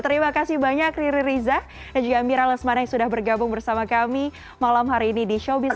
terima kasih banyak riri riza dan juga mira lesmana yang sudah bergabung bersama kami malam hari ini di showbiz